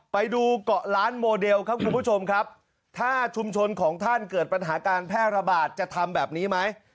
ไปดูเกาะล้านโมเดลครับคุณผู้ชมครับถ้าชุมชนของท่านเกิดปัญหาการแพร่ระบาดจะทำแบบนี้ไหม